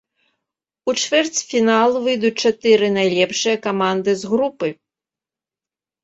У чвэрцьфінал выйдуць чатыры найлепшыя каманды з групы.